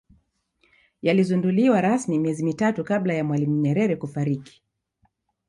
yalizinduliwa rasmi miezi mitatu kabla ya mwalimu nyerere kufariki